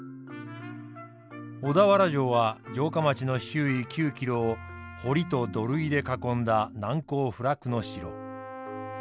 小田原城は城下町の周囲９ｋｍを堀と土塁で囲んだ難攻不落の城。